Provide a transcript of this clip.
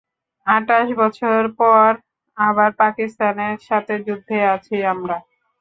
আটাশ বছর পর, আবার পাকিস্তানের সাথে যুদ্ধে যাচ্ছি আমরা।